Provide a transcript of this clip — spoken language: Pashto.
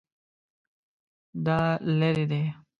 دا لیرې دی؟